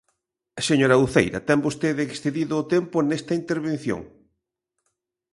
Señora Uceira, ten vostede excedido o tempo nesta intervención.